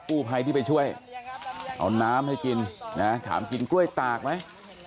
กู้ภัยที่ไปช่วยเอาน้ำให้กินนะถามกินกล้วยตากไหม